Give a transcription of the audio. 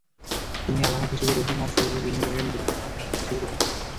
তিনি আলামত হিসেবে রাহিমার শরীরের বিভিন্ন জায়গায় নির্যাতনের চিহ্নের একাধিক ছবিও তোলেন।